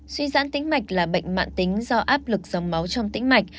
suy dãn tĩnh mạch là bệnh mạng tính do áp lực dòng máu trong tĩnh mạch